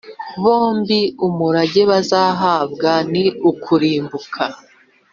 bombi umurage bazahabwa ni ukurimbuka.